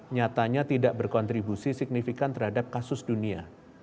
nyatanya tidak berkontribusi signifikan terhadap kasus dunia